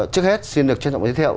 trước hết xin được trân trọng giới thiệu